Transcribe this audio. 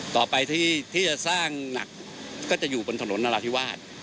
ต่อไปที่จะสร้างหนักก็จะอยู่บนถนนนราธิวาส